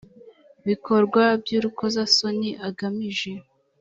bikorwa by urukozasoni agamije